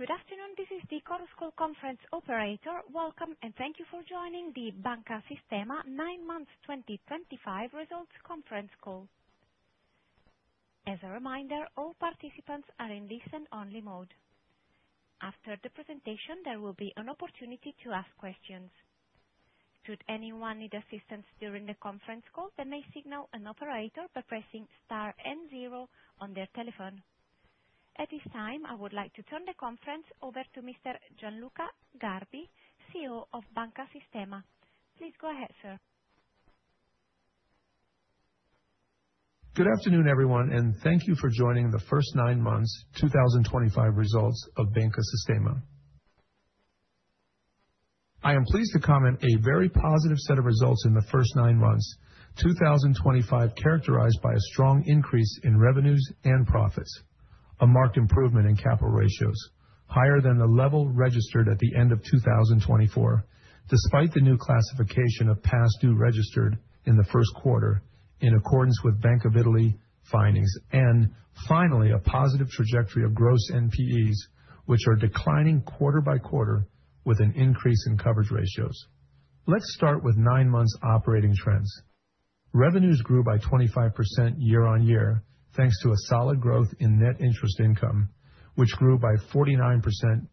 Good afternoon. This is the Chorus Call Conference Operator. Welcome, and thank you for joining the Banca Sistema 9 months 2025 results conference call. As a reminder, all participants are in listen-only mode. After the presentation, there will be an opportunity to ask questions. Should anyone need assistance during the conference call, they may signal an operator by pressing *N0 on their telephone. At this time, I would like to turn the conference over to Mr. Gianluca Garbi, CEO of Banca Sistema. Please go ahead, sir. Good afternoon, everyone, and thank you for joining the first 9-month 2025 results of Banca Sistema. I am pleased to comment on a very positive set of results in the first 9 months 2025 characterized by a strong increase in revenues and profits, a marked improvement in capital ratios, higher than the level registered at the end of 2024 despite the new classification of past-due registered in the first quarter in accordance with Bank of Italy findings, and finally a positive trajectory of gross NPEs, which are declining quarter-by-quarter with an increase in coverage ratios. Let's start with 9-month operating trends. Revenues grew by 25% year-on-year thanks to a solid growth in net interest income, which grew by 49%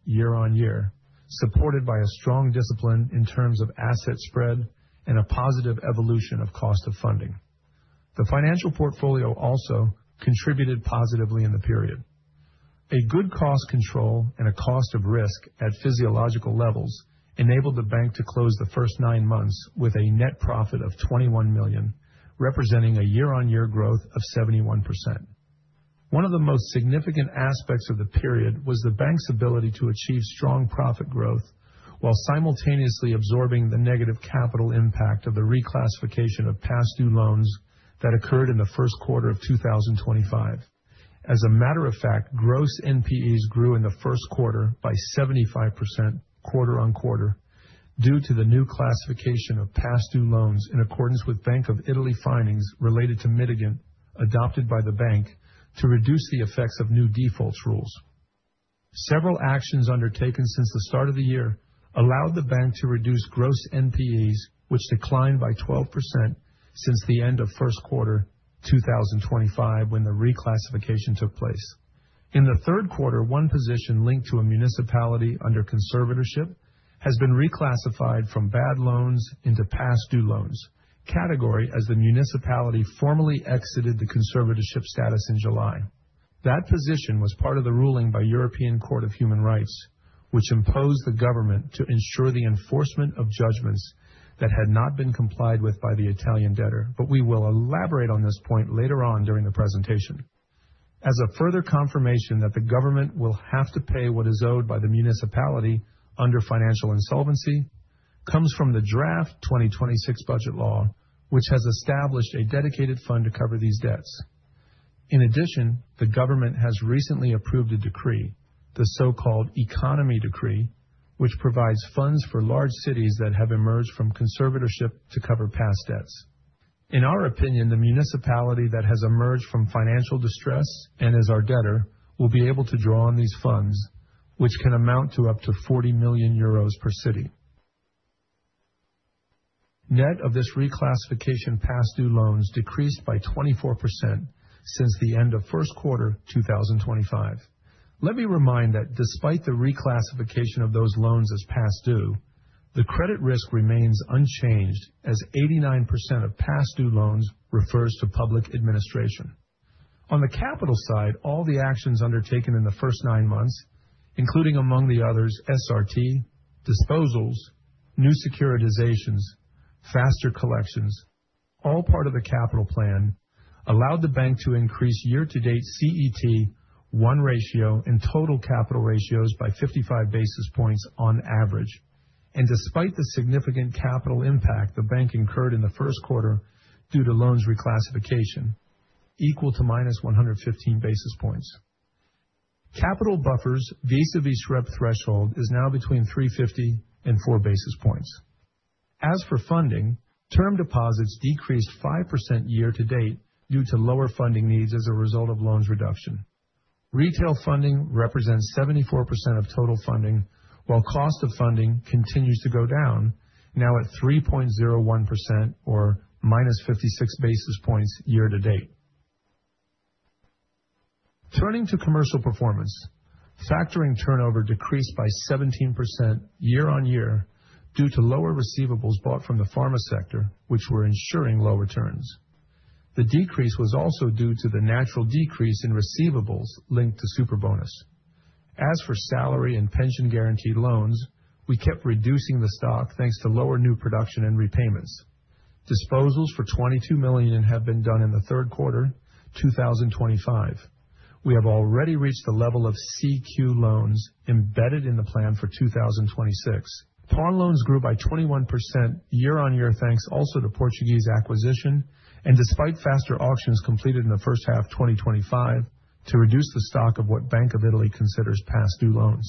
year-on-year, supported by a strong discipline in terms of asset spread and a positive evolution of cost of funding. The financial portfolio also contributed positively in the period. A good cost control and a cost of risk at physiological levels enabled the bank to close the first nine months with a net profit of 21 million, representing a year-on-year growth of 71%. One of the most significant aspects of the period was the bank's ability to achieve strong profit growth while simultaneously absorbing the negative capital impact of the reclassification of past due loans that occurred in the first quarter of 2025. As a matter of fact, gross NPEs grew in the first quarter by 75% quarter-on-quarter due to the new classification of past due loans in accordance with Bank of Italy findings related to mitigant adopted by the bank to reduce the effects of new default rules. Several actions undertaken since the start of the year allowed the bank to reduce gross NPEs, which declined by 12% since the end of first quarter 2025 when the reclassification took place. In the third quarter, one position linked to a municipality under conservatorship has been reclassified from bad loans into past due loans category, as the municipality formally exited the conservatorship status in July. That position was part of the ruling by European Court of Human Rights, which imposed the government to ensure the enforcement of judgments that had not been complied with by the Italian debtor, but we will elaborate on this point later on during the presentation. As a further confirmation that the government will have to pay what is owed by the municipality under financial insolvency comes from the draft 2026 budget law, which has established a dedicated fund to cover these debts. In addition, the government has recently approved a decree, the so-called Economy Decree, which provides funds for large cities that have emerged from conservatorship to cover past debts. In our opinion, the municipality that has emerged from financial distress and is our debtor will be able to draw on these funds, which can amount to up to 40 million euros per city. Net of this reclassification, past due loans decreased by 24% since the end of first quarter 2025. Let me remind that despite the reclassification of those loans as past due, the credit risk remains unchanged as 89% of past due loans refers to public administration. On the capital side, all the actions undertaken in the first nine months, including among the others SRT, disposals, new securitizations, faster collections, all part of the capital plan, allowed the bank to increase year-to-date CET1 ratio in total capital ratios by 55 basis points on average, and despite the significant capital impact the bank incurred in the first quarter due to loans reclassification, equal to -115 basis points. Capital buffers vis-à-vis SREP threshold is now between 350 and 400 basis points. As for funding, term deposits decreased 5% year-to-date due to lower funding needs as a result of loans reduction. Retail funding represents 74% of total funding, while cost of funding continues to go down, now at 3.01% or -56 basis points year-to-date. Turning to commercial performance, factoring turnover decreased by 17% year-on-year due to lower receivables bought from the pharma sector, which were ensuring low returns. The decrease was also due to the natural decrease in receivables linked to Superbonus. As for salary and pension guaranteed loans, we kept reducing the stock thanks to lower new production and repayments. Disposals for 22 million have been done in the third quarter 2025. We have already reached the level of CQ loans embedded in the plan for 2026. Pawn loans grew by 21% year-on-year thanks also to Portuguese acquisition and despite faster auctions completed in the first half 2025 to reduce the stock of what Bank of Italy considers past due loans.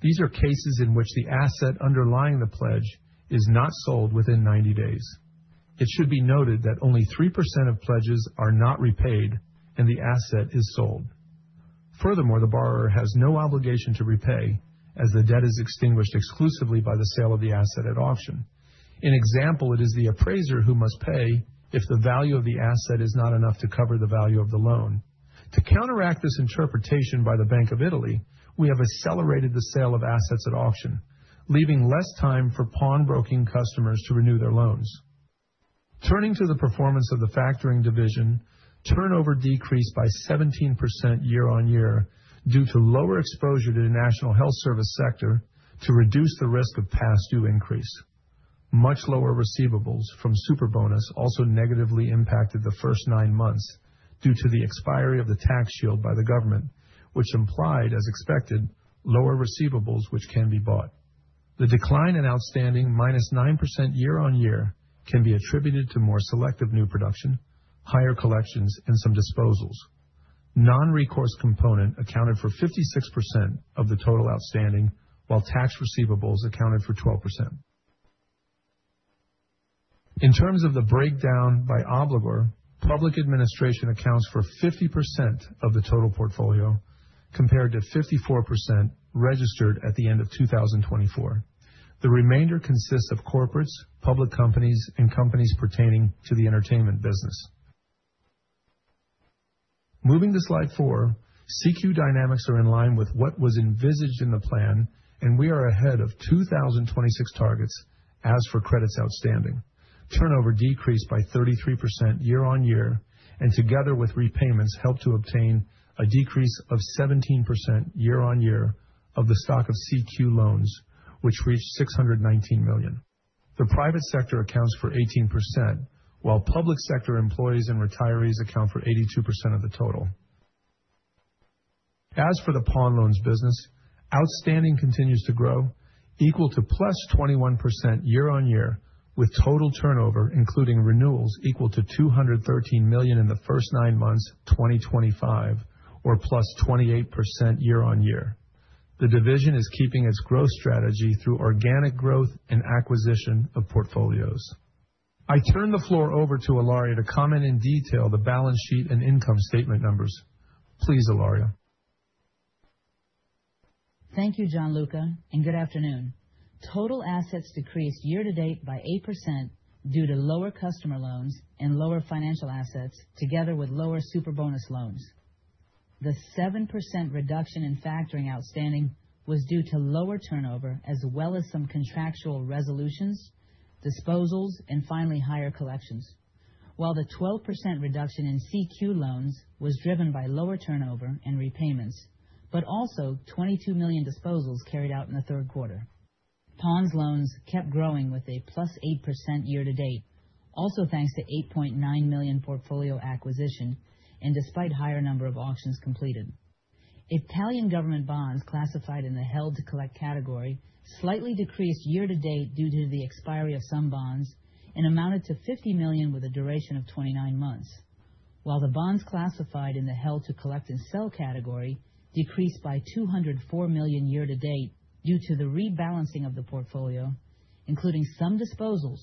These are cases in which the asset underlying the pledge is not sold within 90 days. It should be noted that only 3% of pledges are not repaid and the asset is sold. Furthermore, the borrower has no obligation to repay as the debt is extinguished exclusively by the sale of the asset at auction. For example, it is the appraiser who must pay if the value of the asset is not enough to cover the value of the loan. To counteract this interpretation by the Bank of Italy, we have accelerated the sale of assets at auction, leaving less time for pawnbroking customers to renew their loans. Turning to the performance of the factoring division, turnover decreased by 17% year-on-year due to lower exposure to the National Health Service sector to reduce the risk of Past Due increase. Much lower receivables from Superbonus also negatively impacted the first nine months due to the expiry of the tax shield by the government, which implied, as expected, lower receivables which can be bought. The decline in outstanding -9% year-over-year can be attributed to more selective new production, higher collections, and some disposals. Non-recourse component accounted for 56% of the total outstanding, while tax receivables accounted for 12%. In terms of the breakdown by obligor, public administration accounts for 50% of the total portfolio compared to 54% registered at the end of 2024. The remainder consists of corporates, public companies, and companies pertaining to the entertainment business. Moving to Slide 4, CQ dynamics are in line with what was envisaged in the plan, and we are ahead of 2026 targets as for credits outstanding. Turnover decreased by 33% year-on-year, and together with repayments helped to obtain a decrease of 17% year-on-year of the stock of CQ loans, which reached 619 million. The private sector accounts for 18%, while public sector employees and retirees account for 82% of the total. As for the pawn loans business, outstanding continues to grow, equal to +21% year-on-year with total turnover including renewals equal to 213 million in the first 9 months 2025 or +28% year-on-year. The division is keeping its growth strategy through organic growth and acquisition of portfolios. I turn the floor over to Ilaria to comment in detail the balance sheet and income statement numbers. Please, Ilaria. Thank you, Gianluca, and good afternoon. Total assets decreased year to date by 8% due to lower customer loans and lower financial assets together with lower Superbonus loans. The 7% reduction in factoring outstanding was due to lower turnover as well as some contractual resolutions, disposals, and finally higher collections, while the 12% reduction in CQ loans was driven by lower turnover and repayments but also 22 million disposals carried out in the third quarter. Pawn loans kept growing with a +8% year to date, also thanks to 8.9 million portfolio acquisition and despite higher number of auctions completed. Italian government bonds classified in the held-to-collect category slightly decreased year to date due to the expiry of some bonds and amounted to 50 million with a duration of 29 months, while the bonds classified in the held-to-collect and sell category decreased by 204 million year to date due to the rebalancing of the portfolio, including some disposals,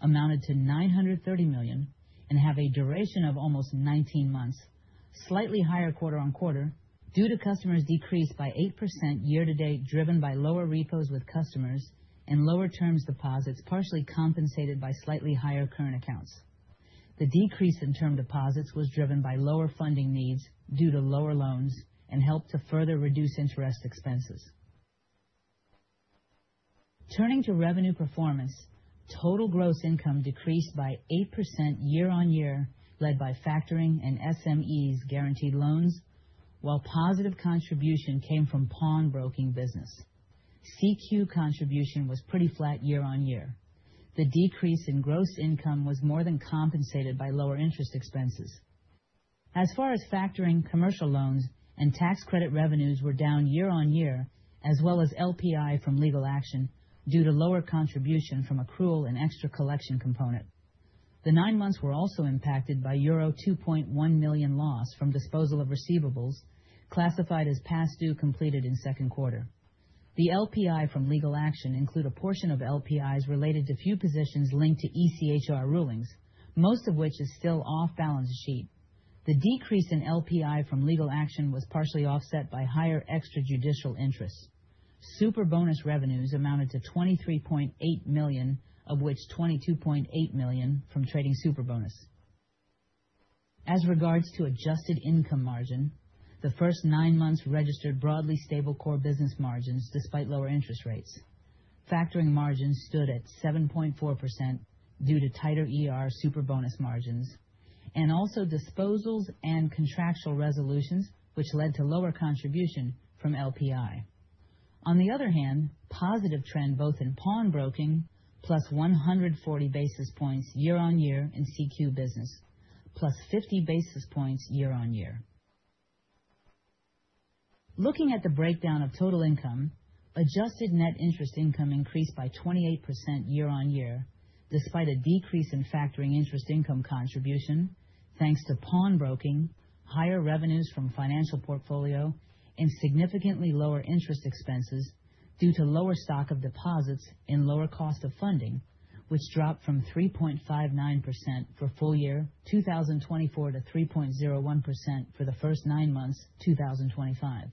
amounted to 930 million and have a duration of almost 19 months, slightly higher quarter-on-quarter due to customer deposits decrease by 8% year to date driven by lower repos with customers and lower term deposits partially compensated by slightly higher current accounts. The decrease in term deposits was driven by lower funding needs due to lower loans and helped to further reduce interest expenses. Turning to revenue performance, total gross income decreased by 8% year-on-year led by factoring and SMEs guaranteed loans, while positive contribution came from pawnbroking business. CQ contribution was pretty flat year-on-year. The decrease in gross income was more than compensated by lower interest expenses. As far as factoring, commercial loans and tax credit revenues were down year-on-year as well as LPI from legal action due to lower contribution from accrual and extra collection component. The 9 months were also impacted by euro 2.1 million loss from disposal of receivables classified as past due completed in second quarter. The LPI from legal action include a portion of LPIs related to few positions linked to ECHR rulings, most of which is still off balance sheet. The decrease in LPI from legal action was partially offset by higher extrajudicial interest. Superbonus revenues amounted to 23.8 million, of which 22.8 million from trading Superbonus. As regards to adjusted income margin, the first 9 months registered broadly stable core business margins despite lower interest rates. Factoring margins stood at 7.4% due to tighter Superbonus margins, and also disposals and contractual resolutions which led to lower contribution from LPI. On the other hand, positive trend both in pawnbroking, +140 basis points year-on-year in CQ business, +50 basis points year-on-year. Looking at the breakdown of total income, adjusted net interest income increased by 28% year-on-year despite a decrease in factoring interest income contribution thanks to pawnbroking, higher revenues from financial portfolio, and significantly lower interest expenses due to lower stock of deposits and lower cost of funding, which dropped from 3.59% for full year 2024 to 3.01% for the first 9 months 2025.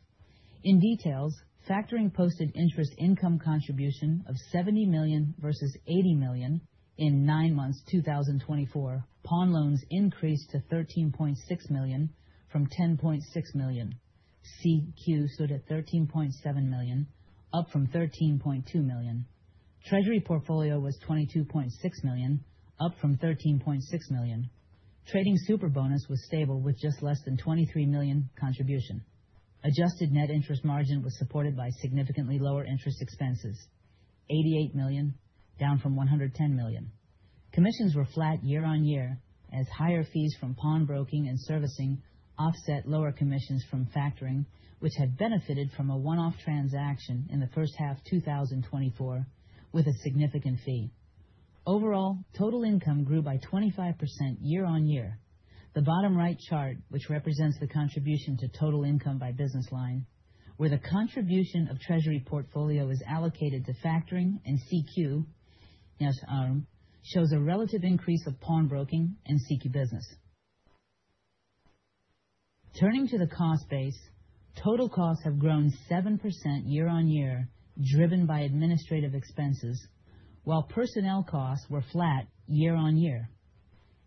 In detail, factoring posted interest income contribution of 70 million versus 80 million in 9 months 2024. Pawn loans increased to 13.6 million from 10.6 million. CQ stood at 13.7 million, up from 13.2 million. Treasury portfolio was 22.6 million, up from 13.6 million. Trading Superbonus was stable with just less than 23 million contribution. Adjusted net interest margin was supported by significantly lower interest expenses, 88 million, down from 110 million. Commissions were flat year-on-year as higher fees from pawnbroking and servicing offset lower commissions from factoring, which had benefited from a one-off transaction in the first half 2024 with a significant fee. Overall, total income grew by 25% year-on-year. The bottom right chart, which represents the contribution to total income by business line, where the contribution of Treasury portfolio is allocated to factoring and CQ, shows a relative increase of pawnbroking and CQ business. Turning to the cost base, total costs have grown 7% year-on-year driven by administrative expenses, while personnel costs were flat year-on-year.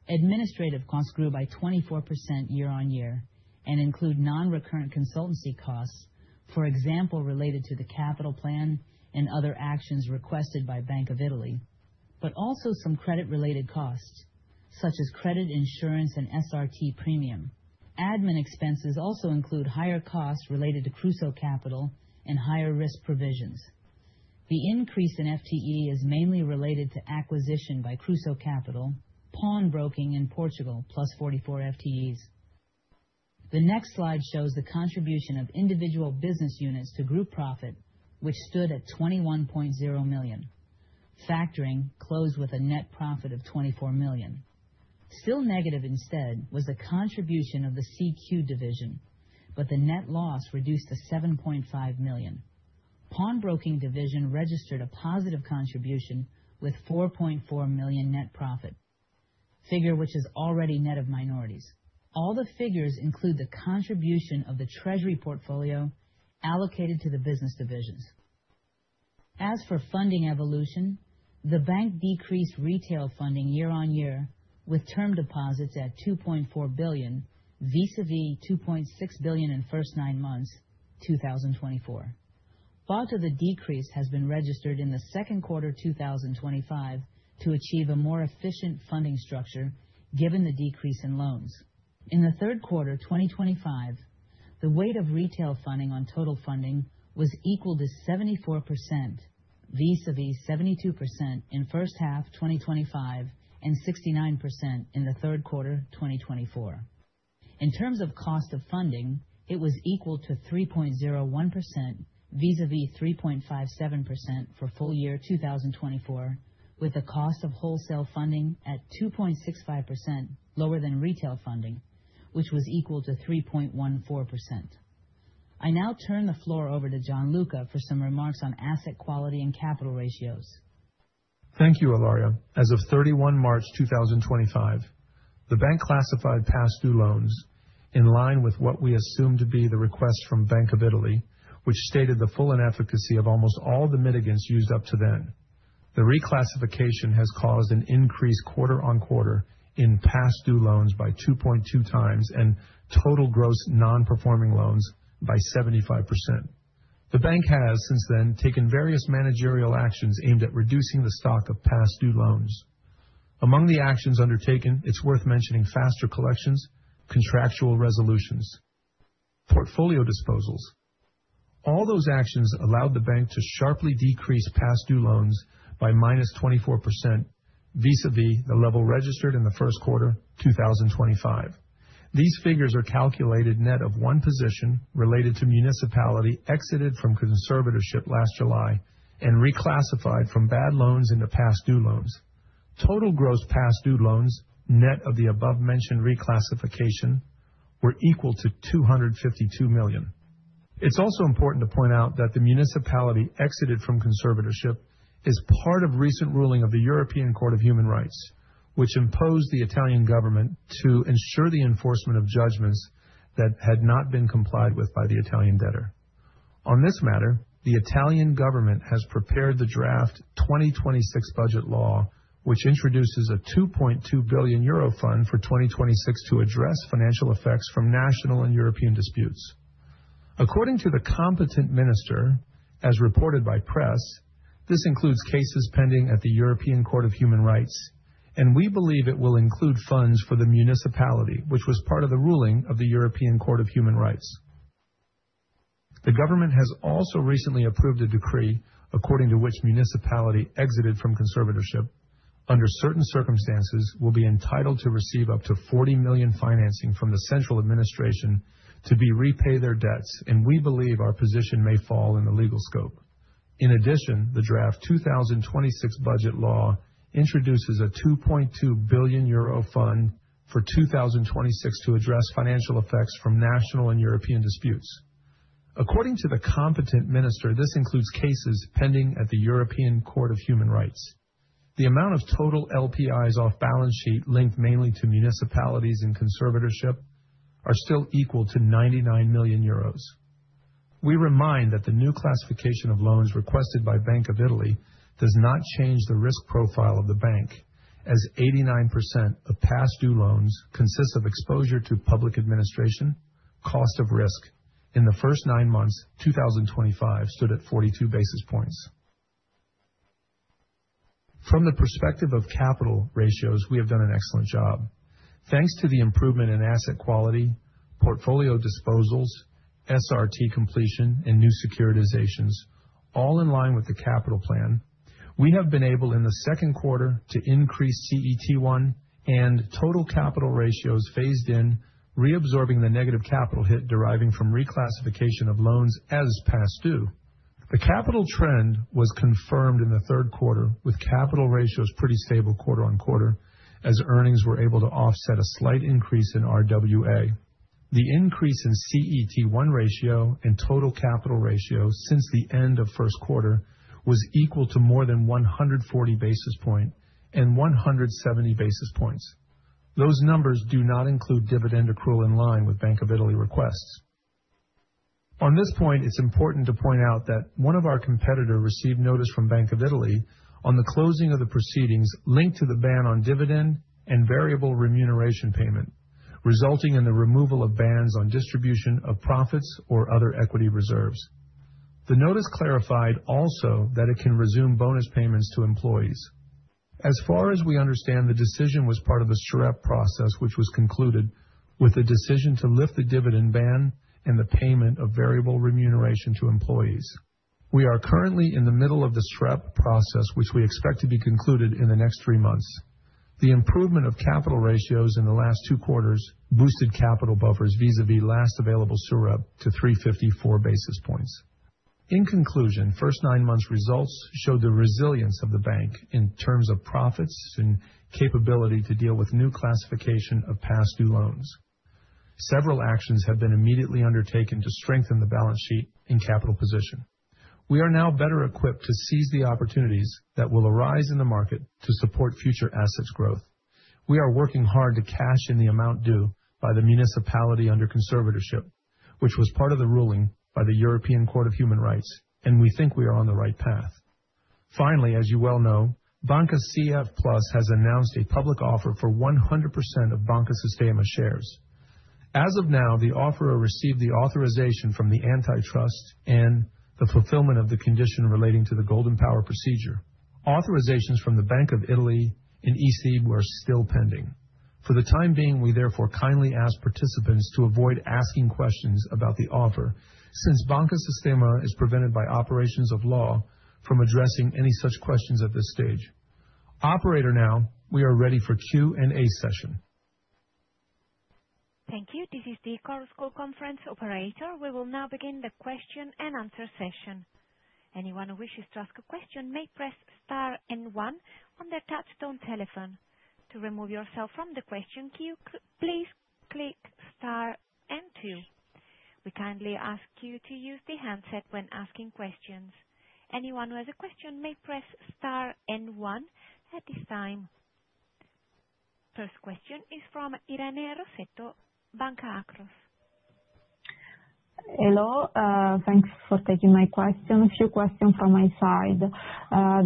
Administrative costs grew by 24% year-on-year and include non-recurrent consultancy costs, for example related to the capital plan and other actions requested by Bank of Italy, but also some credit-related costs such as credit insurance and SRT premium. Admin expenses also include higher costs related to Kruso Kapital and higher risk provisions. The increase in FTE is mainly related to acquisition by Kruso Kapital, pawnbroking in Portugal plus 44 FTEs. The next slide shows the contribution of individual business units to group profit, which stood at 21.0 million. Factoring closed with a net profit of 24 million. Still negative instead was the contribution of the CQ division, but the net loss reduced to 7.5 million. Pawnbroking division registered a positive contribution with 4.4 million net profit, figure which is already net of minorities. All the figures include the contribution of the Treasury portfolio allocated to the business divisions. As for funding evolution, the bank decreased retail funding year-on-year with term deposits at 2.4 billion vis-à-vis 2.6 billion in first nine months 2024. Part of the decrease has been registered in the second quarter 2025 to achieve a more efficient funding structure given the decrease in loans. In the third quarter 2025, the weight of retail funding on total funding was equal to 74% vis-à-vis 72% in first half 2025 and 69% in the third quarter 2024. In terms of cost of funding, it was equal to 3.01% vis-à-vis 3.57% for full year 2024, with the cost of wholesale funding at 2.65% lower than retail funding, which was equal to 3.14%. I now turn the floor over to Gianluca for some remarks on asset quality and capital ratios. Thank you, Ilaria. As of 31 March 2025, the bank classified past due loans in line with what we assume to be the request from Bank of Italy, which stated the full inefficacy of almost all the mitigants used up to then. The reclassification has caused an increase quarter-on-quarter in past due loans by 2.2 times and total gross non-performing loans by 75%. The bank has, since then, taken various managerial actions aimed at reducing the stock of past due loans. Among the actions undertaken, it's worth mentioning faster collections, contractual resolutions, portfolio disposals. All those actions allowed the bank to sharply decrease past due loans by -24% vis-à-vis the level registered in the first quarter 2025. These figures are calculated net of one position related to municipality exited from conservatorship last July and reclassified from bad loans into past due loans. Total gross past due loans net of the above-mentioned reclassification were equal to 252 million. It's also important to point out that the municipality exited from conservatorship is part of recent ruling of the European Court of Human Rights, which imposed the Italian government to ensure the enforcement of judgments that had not been complied with by the Italian debtor. On this matter, the Italian government has prepared the draft 2026 budget law, which introduces a 2.2 billion euro fund for 2026 to address financial effects from national and European disputes. According to the competent minister, as reported by press, this includes cases pending at the European Court of Human Rights, and we believe it will include funds for the municipality, which was part of the ruling of the European Court of Human Rights. The government has also recently approved a decree according to which municipalities that have exited from Conservatorship, under certain circumstances, will be entitled to receive up to 40 million financing from the central administration to repay their debts, and we believe our position may fall in the legal scope. In addition, the draft 2026 budget law introduces a 2.2 billion euro fund for 2026 to address financial effects from national and European disputes. According to the competent minister, this includes cases pending at the European Court of Human Rights. The amount of total LPIs off balance sheet linked mainly to municipalities in Conservatorship are still equal to 99 million euros. We remind that the new classification of loans requested by Bank of Italy does not change the risk profile of the bank, as 89% of past due loans consist of exposure to public administration. Cost of risk in the first nine months 2025 stood at 42 basis points. From the perspective of capital ratios, we have done an excellent job. Thanks to the improvement in asset quality, portfolio disposals, SRT completion, and new securitizations, all in line with the capital plan, we have been able in the second quarter to increase CET1 and total capital ratios phased in, reabsorbing the negative capital hit deriving from reclassification of loans as past due. The capital trend was confirmed in the third quarter with capital ratios pretty stable quarter-on-quarter as earnings were able to offset a slight increase in RWA. The increase in CET1 ratio and total capital ratio since the end of first quarter was equal to more than 140 basis point and 170 basis points. Those numbers do not include dividend accrual in line with Bank of Italy requests. On this point, it's important to point out that one of our competitor received notice from Bank of Italy on the closing of the proceedings linked to the ban on dividend and variable remuneration payment, resulting in the removal of bans on distribution of profits or other equity reserves. The notice clarified also that it can resume bonus payments to employees. As far as we understand, the decision was part of the SREP process which was concluded with the decision to lift the dividend ban and the payment of variable remuneration to employees. We are currently in the middle of the SREP process which we expect to be concluded in the next 3 months. The improvement of capital ratios in the last 2 quarters boosted capital buffers vis-à-vis last available SREP to 354 basis points. In conclusion, first nine months results showed the resilience of the bank in terms of profits and capability to deal with new classification of past due loans. Several actions have been immediately undertaken to strengthen the balance sheet in capital position. We are now better equipped to seize the opportunities that will arise in the market to support future assets growth. We are working hard to cash in the amount due by the municipality under conservatorship, which was part of the ruling by the European Court of Human Rights, and we think we are on the right path. Finally, as you well know, Banca CF+ has announced a public offer for 100% of Banca Sistema shares. As of now, the offeror received the authorization from the Antitrust and the fulfillment of the condition relating to the Golden Power procedure. Authorizations from the Bank of Italy and EC were still pending. For the time being, we therefore kindly ask participants to avoid asking questions about the offer since Banca Sistema is prevented by operations of law from addressing any such questions at this stage. Operator, now we are ready for Q&A session. Thank you. This is the Chorus Call operator. We will now begin the question and answer session. Anyone who wishes to ask a question may press star and one on their touch-tone telephone. To remove yourself from the question queue, please press star and two. We kindly ask you to use the handset when asking questions. Anyone who has a question may press star and one at this time. First question is from Irene Rossetto, Banca Akros. Hello. Thanks for taking my question. A few questions from my side.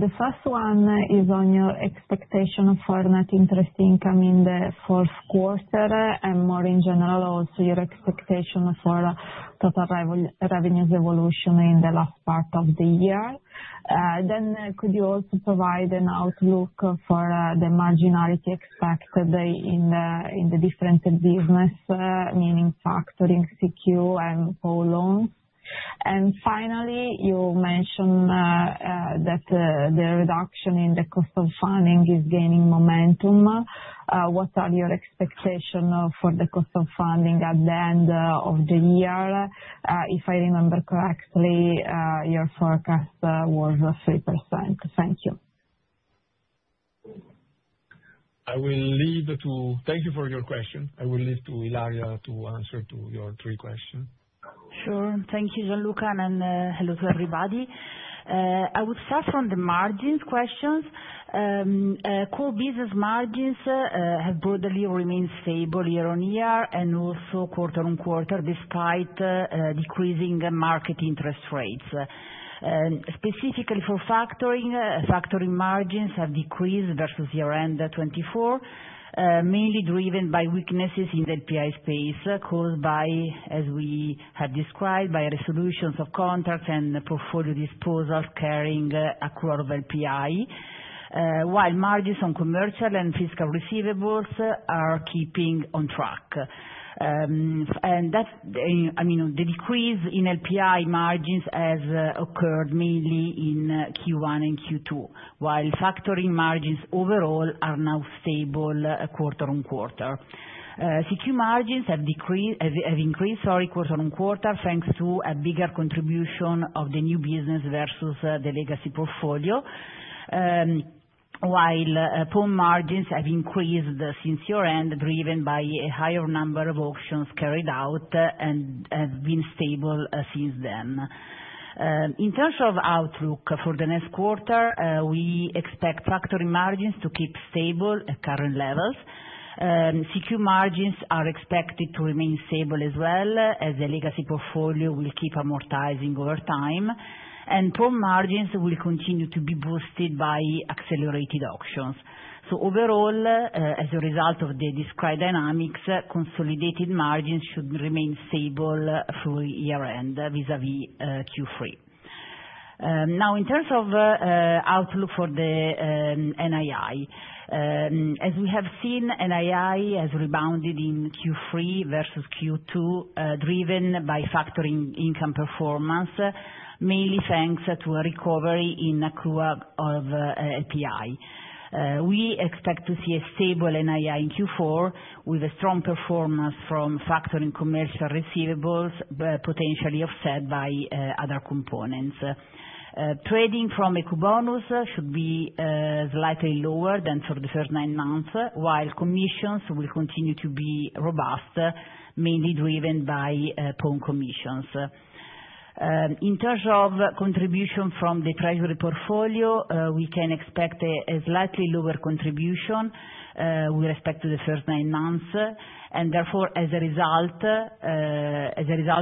The first one is on your expectation for net interest income in the fourth quarter and more in general also your expectation for total revenues evolution in the last part of the year. Then could you also provide an outlook for the marginality expected in the different business, meaning factoring, CQ, and pawn loans? And finally, you mentioned that the reduction in the cost of funding is gaining momentum. What are your expectations for the cost of funding at the end of the year? If I remember correctly, your forecast was 3%. Thank you. I would like to thank you for your question. I will leave it to Ilaria to answer your three questions. Sure. Thank you, Gianluca, and hello to everybody. I would start from the margins questions. Core business margins have broadly remained stable year-on-year and also quarter-on-quarter despite decreasing market interest rates. Specifically for factoring, factoring margins have decreased versus year-end 2024, mainly driven by weaknesses in the LPI space caused by, as we have described, by resolutions of contracts and portfolio disposals carrying accrual of LPI, while margins on commercial and fiscal receivables are keeping on track. And that's I mean, the decrease in LPI margins has occurred mainly in Q1 and Q2, while factoring margins overall are now stable quarter-on-quarter. CQ margins have increased quarter-on-quarter thanks to a bigger contribution of the new business versus the legacy portfolio, while Pawn margins have increased since year-end driven by a higher number of auctions carried out and have been stable since then. In terms of outlook for the next quarter, we expect factoring margins to keep stable at current levels. CQ margins are expected to remain stable as well, as the legacy portfolio will keep amortizing over time, and Pawn margins will continue to be boosted by accelerated auctions. So overall, as a result of the described dynamics, consolidated margins should remain stable through year-end vis-à-vis Q3. Now, in terms of outlook for the NII, as we have seen, NII has rebounded in Q3 versus Q2 driven by factoring income performance, mainly thanks to a recovery in accrual of LPI. We expect to see a stable NII in Q4 with a strong performance from factoring commercial receivables potentially offset by other components. Trading from Ecobonus should be slightly lower than for the first 9 months, while commissions will continue to be robust, mainly driven by Pawn commissions. In terms of contribution from the treasury portfolio, we can expect a slightly lower contribution with respect to the first 9 months, and therefore, as a result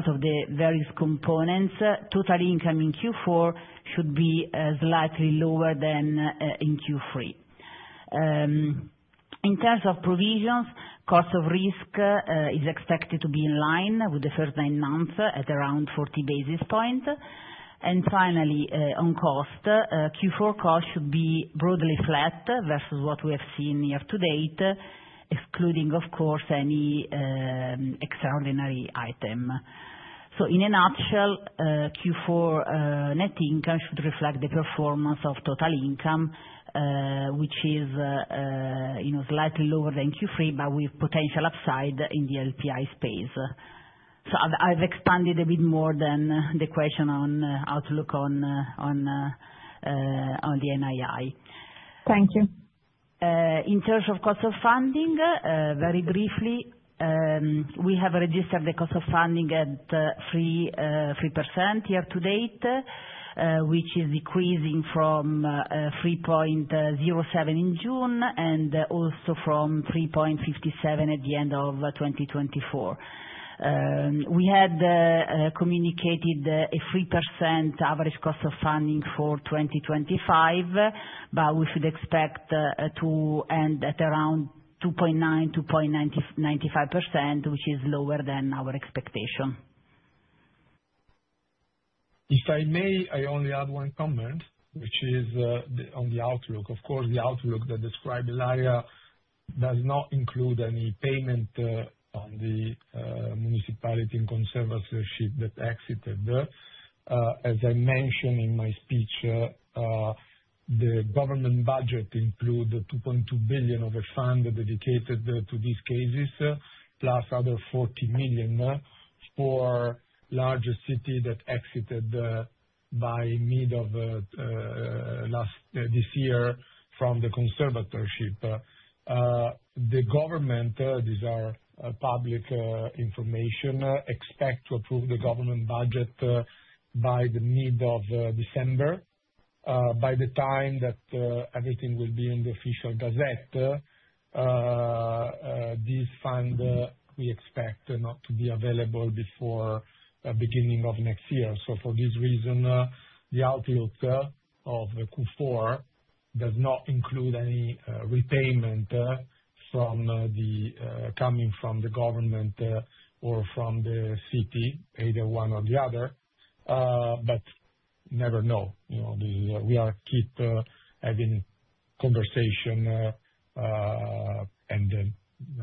of the various components, total income in Q4 should be slightly lower than in Q3. In terms of provisions, cost of risk is expected to be in line with the first 9 months at around 40 basis points. And finally, on cost, Q4 cost should be broadly flat versus what we have seen year to date, excluding, of course, any extraordinary item. So in a nutshell, Q4 net income should reflect the performance of total income, which is slightly lower than Q3, but with potential upside in the LPI space. So I've expanded a bit more than the question on outlook on the NII. Thank you. In terms of cost of funding, very briefly, we have registered the cost of funding at 3% year to date, which is decreasing from 3.07 in June and also from 3.57 at the end of 2024. We had communicated a 3% average cost of funding for 2025, but we should expect to end at around 2.9%-2.95%, which is lower than our expectation. If I may, I only add one comment, which is on the outlook. Of course, the outlook that Ilaria described does not include any payment on the municipality in conservatorship that exited. As I mentioned in my speech, the government budget included 2.2 billion of a fund dedicated to these cases, plus other 40 million for larger cities that exited by mid of this year from the conservatorship. The government, these are public information, expect to approve the government budget by the mid of December. By the time that everything will be in the official gazette, these funds we expect not to be available before the beginning of next year. So for this reason, the outlook of Q4 does not include any repayment coming from the government or from the city, either one or the other, but never know. We keep having conversations and,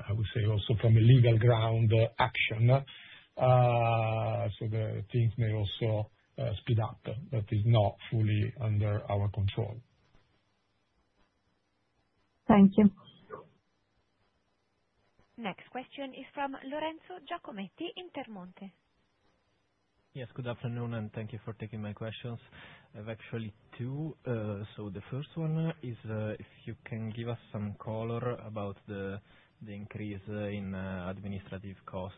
I would say, also from a legal grounds action, so the things may also speed up. That is not fully under our control. Thank you. Next question is from Lorenzo Giacometti in Intermonte. Yes. Good afternoon and thank you for taking my questions. I have actually two. So the first one is if you can give us some color about the increase in administrative costs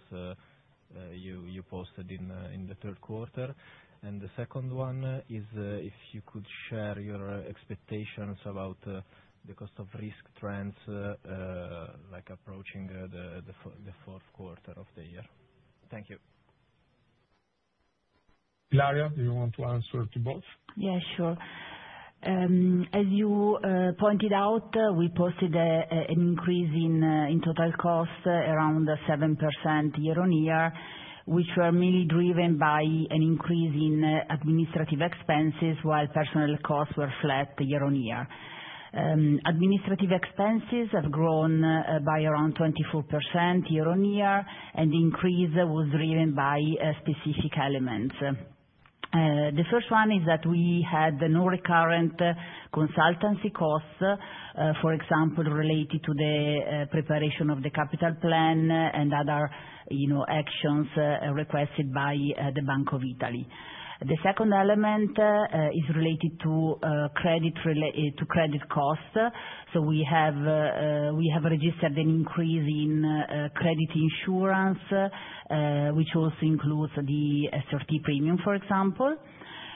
you posted in the third quarter. And the second one is if you could share your expectations about the cost of risk trends approaching the fourth quarter of the year. Thank you. Ilaria, do you want to answer to both? Yeah, sure. As you pointed out, we posted an increase in total costs around 7% year-on-year, which were mainly driven by an increase in administrative expenses while personal costs were flat year-on-year. Administrative expenses have grown by around 24% year-on-year, and the increase was driven by specific elements. The first one is that we had non-recurrent consultancy costs, for example, related to the preparation of the capital plan and other actions requested by the Bank of Italy. The second element is related to credit costs. So we have registered an increase in credit insurance, which also includes the SRT premium, for example.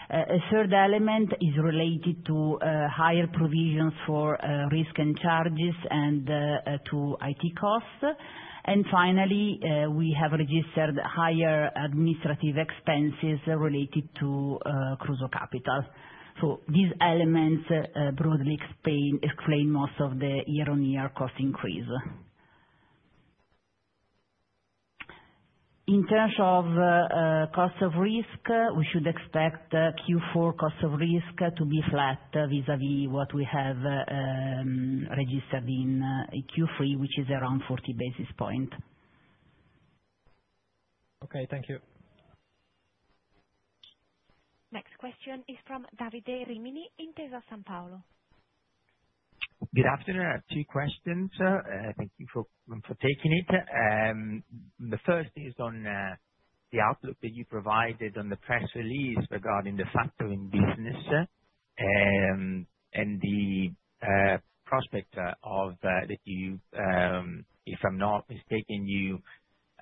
A third element is related to higher provisions for risk and charges and to IT costs. And finally, we have registered higher administrative expenses related to Kruso Kapital. So these elements broadly explain most of the year-on-year cost increase. In terms of cost of risk, we should expect Q4 cost of risk to be flat vis-à-vis what we have registered in Q3, which is around 40 basis points. Okay. Thank you. Next question is from Davide Rimini in Intesa Sanpaolo. Good afternoon. I have two questions. Thank you for taking it. The first is on the outlook that you provided on the press release regarding the factoring business and the prospect that you, if I'm not mistaken,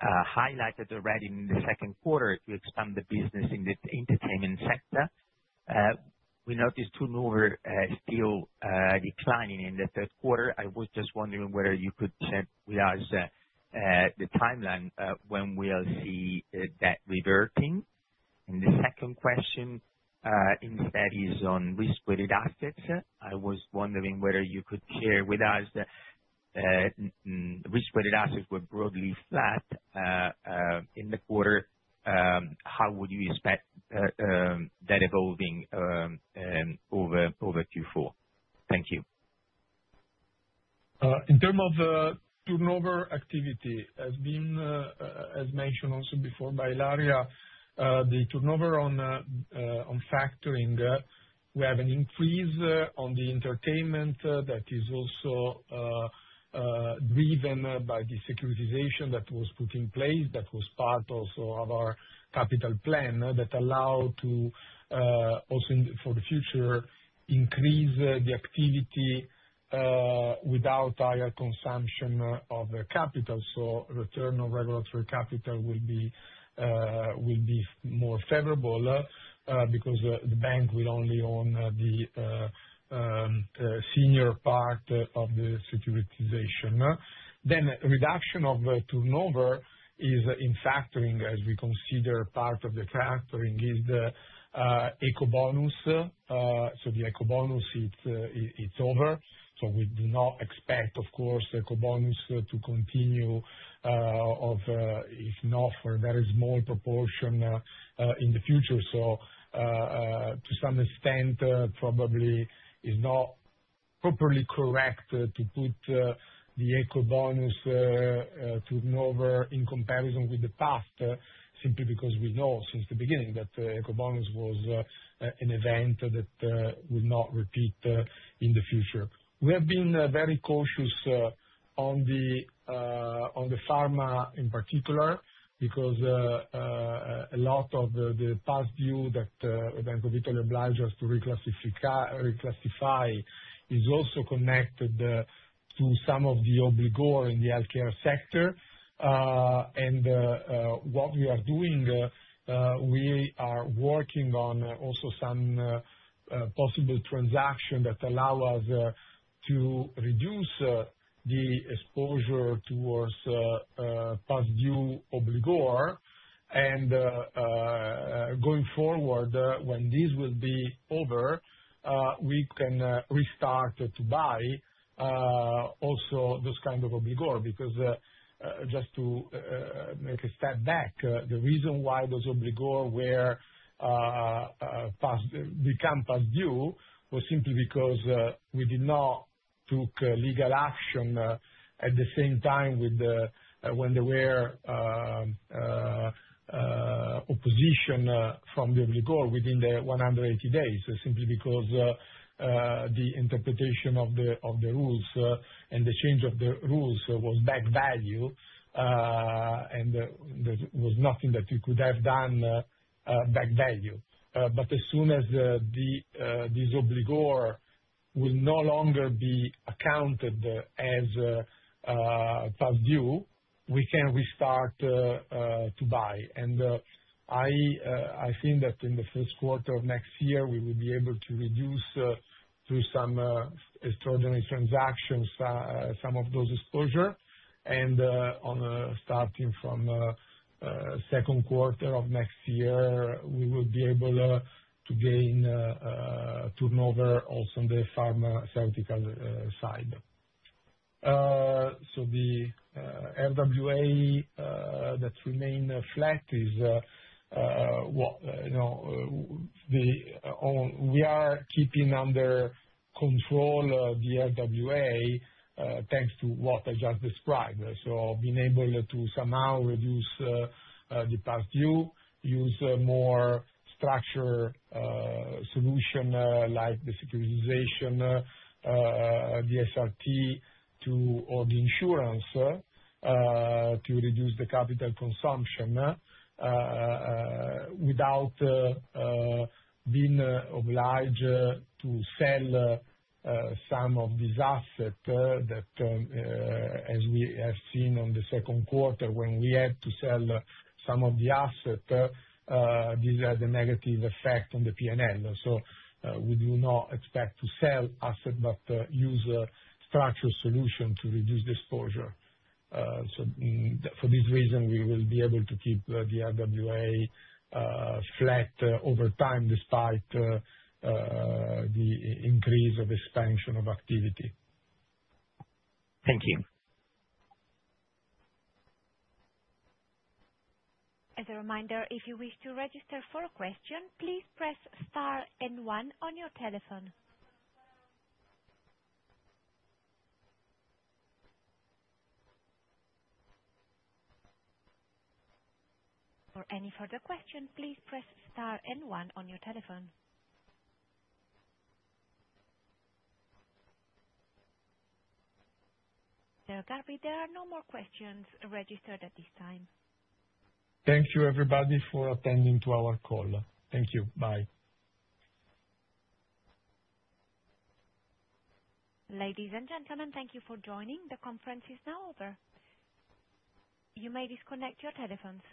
highlighted already in the second quarter to expand the business in the entertainment sector. We noticed turnover still declining in the third quarter. I was just wondering whether you could share with us the timeline when we'll see that reverting. And the second question instead is on risk-weighted assets. I was wondering whether you could share with us that risk-weighted assets were broadly flat in the quarter. How would you expect that evolving over Q4? Thank you. In terms of turnover activity, as mentioned also before by Ilaria, the turnover on factoring, we have an increase on the entertainment that is also driven by the securitization that was put in place, that was part also of our capital plan that allowed to also for the future increase the activity without higher consumption of capital. So return of regulatory capital will be more favorable because the bank will only own the senior part of the securitization. Then reduction of turnover is in factoring, as we consider part of the factoring is the Ecobonus. So the Ecobonus, it's over. So we do not expect, of course, Ecobonus to continue, if not for a very small proportion, in the future. So to some extent, probably it's not properly correct to put the Ecobonus turnover in comparison with the past simply because we know since the beginning that the Ecobonus was an event that will not repeat in the future. We have been very cautious on the pharma in particular because a lot of the past due that the Bank of Italy obliged us to reclassify is also connected to some of the obligor in the healthcare sector. And what we are doing, we are working on also some possible transaction that allow us to reduce the exposure towards past due obligor. And going forward, when this will be over, we can restart to buy also those kind of obligor because just to make a step back, the reason why those obligor became past due was simply because we did not take legal action at the same time when there were opposition from the obligor within the 180 days, simply because the interpretation of the rules and the change of the rules was back value, and there was nothing that you could have done back value. But as soon as these obligor will no longer be accounted as past due, we can restart to buy. And I think that in the first quarter of next year, we will be able to reduce through some extraordinary transactions some of those exposure. And starting from second quarter of next year, we will be able to gain turnover also on the pharmaceutical side. So the RWA that remained flat is we are keeping under control the RWA thanks to what I just described. So being able to somehow reduce the past due, use more structured solution like the securitization, the SRT, or the insurance to reduce the capital consumption without being obliged to sell some of these assets that, as we have seen on the second quarter, when we had to sell some of the assets, these had a negative effect on the P&L. So we do not expect to sell assets but use structured solution to reduce the exposure. So for this reason, we will be able to keep the RWA flat over time despite the increase of expansion of activity. Thank you. As a reminder, if you wish to register for a question, please press star and one on your telephone. For any further questions, please press star and one on your telephone. Sir, Garvey, there are no more questions registered at this time. Thank you, everybody, for attending to our call. Thank you. Bye. Ladies and gentlemen, thank you for joining. The conference is now over. You may disconnect your telephones.